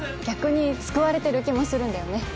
逆に救われてる気もするんだよね